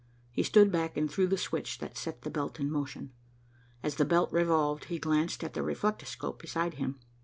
He stood back and threw the switch that set the belt in motion. As the belt revolved, he glanced at the reflectoscope beside him.